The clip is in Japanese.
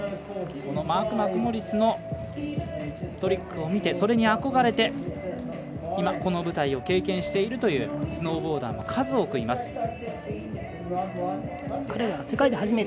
このマーク・マクモリスのトリックを見てそれに憧れて今、この舞台を経験しているというスノーボーダーも数多くいます。